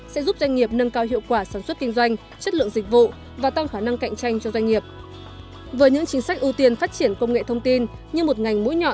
sẽ giúp doanh nghiệp nâng cao hiệu quả sản xuất kinh doanh